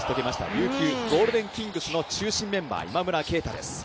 琉球ゴールデンキングスの中心をなす今村佳太です。